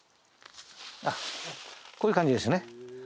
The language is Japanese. あっこういう感じですね。